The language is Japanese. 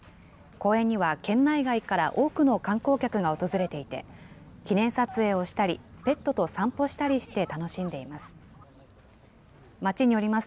公園には県内外から多くの観光客が訪れていて、記念撮影をしたり、ペットと散歩したりして楽しんでいます。